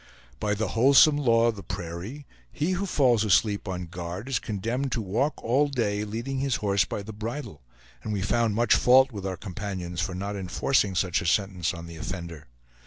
By the wholesome law of the prairie, he who falls asleep on guard is condemned to walk all day leading his horse by the bridle, and we found much fault with our companions for not enforcing such a sentence on the offender.